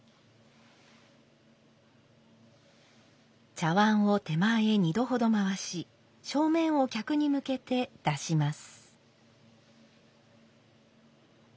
茶碗を手前へ２度ほど回し正面を客に向けて出します。